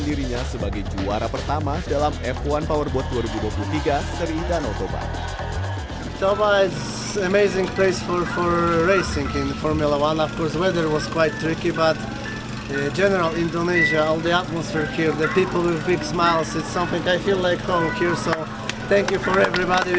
dan menempatkan dirinya sebagai juara pertama dalam f satu powerboat dua ribu dua puluh tiga seri danau toba